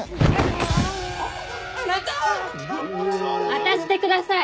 渡してください！